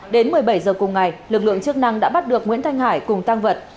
đến một mươi bảy h cùng ngày lực lượng chức năng đã bắt được nguyễn thanh hải cùng tăng vật